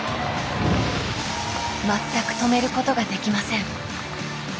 全く止めることができません。